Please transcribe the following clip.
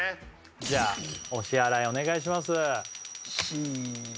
じゃあお支払いお願いします